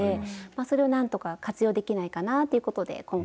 それをなんとか活用できないかなということで今回考えました。